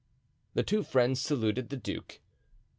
The two friends saluted the duke.